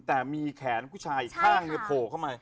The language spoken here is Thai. แต่มีแขนผู้ชายอีกข้างหนึ่งโผล่เข้ามา